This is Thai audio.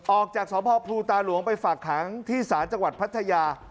ออกจากสพภูตาหลวงไปฝากขังที่ศาลจังหวัดพัทยา